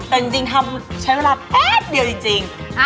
แต่จริงทำใช้เวลาแป๊บเดียวจริง